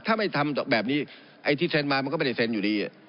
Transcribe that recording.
ถ้าไม่ทำแบบนี้ไอ้ที่เซ็นมามันก็ไม่ได้เซ็นอยู่ดี